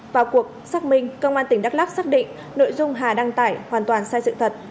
vào cuộc xác minh công an tỉnh đắk lắc xác định nội dung hà đăng tải hoàn toàn sai sự thật